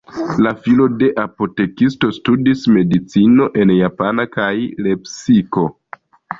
La filo de apotekisto studis medicinon en Jena kaj Lepsiko.